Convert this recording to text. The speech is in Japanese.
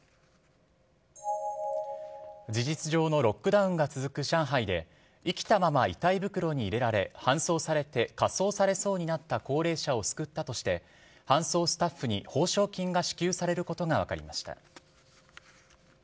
事実上のロックダウンが続く上海で、生きたまま遺体袋に入れられ、搬送されて火葬されそうになった高齢者を救ったとして、搬送スタッフに報奨金が支給されることが分かりました。